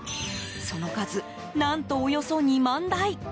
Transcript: その数、何とおよそ２万台。